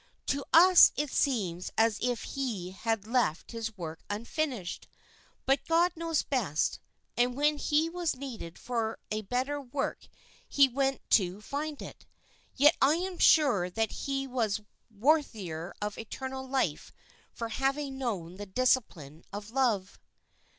To us it seems as if he had left his work unfinished, but God knew best, and when he was needed for a better work he went to find it. Yet I am sure that he was worthier of eternal life for having known the discipline of love."